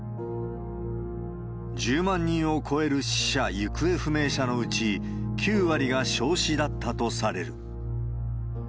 １０万人を超える死者・行方不明者のうち、９割が焼死だったとされる。